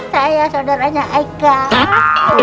saya saudaranya haikal